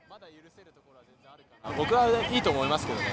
僕はいいと思いますけどね。